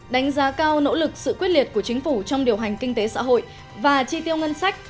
đánh giá cao nỗ lực sự quyết liệt của chính phủ trong điều hành kinh tế xã hội và chi tiêu ngân sách